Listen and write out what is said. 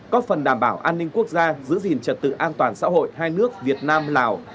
có phần đảm bảo an ninh quốc gia giữ gìn trật tự an toàn xã hội hai nước việt nam lào